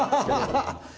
ハハハハ！